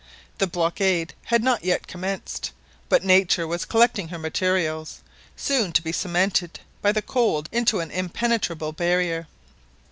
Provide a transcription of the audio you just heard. The blockade had not yet commenced, but nature was collecting her materials, soon to be cemented by the cold into an impenetrable barrier.